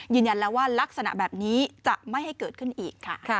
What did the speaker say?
ยืนยันแล้วว่ารักษณะแบบนี้จะไม่ให้เกิดขึ้นอีกค่ะ